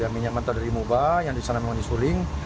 minyak mentah dari muba yang disana memang disuling